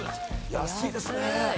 安いですね。